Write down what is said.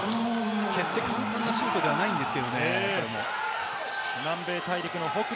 決して簡単なシュートではないんですけれどもね。